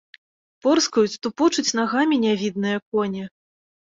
Порскаюць, тупочуць нагамі нявідныя коні.